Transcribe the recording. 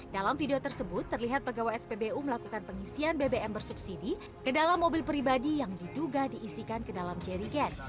dalam video tersebut terlihat pegawai spbu melakukan pengisian bbm bersubsidi ke dalam mobil pribadi yang diduga diisikan ke dalam jerigen